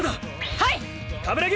はい！